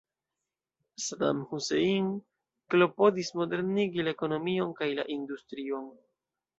Saddam Hussein klopodis modernigi la ekonomion kaj la industrion.